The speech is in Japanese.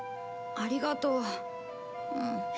ありがとう。